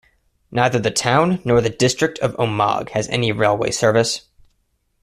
Neither the town nor the district of Omagh has any railway service.